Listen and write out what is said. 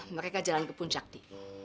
mereka jalan ke puncak di